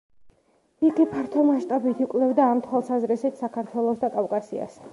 იგი ფართო მასშტაბით იკვლევდა ამ თვალსაზრისით საქართველოს და კავკასიას.